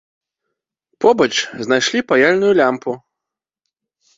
Побач знайшлі паяльную лямпу.